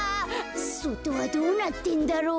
そとはどうなってんだろう。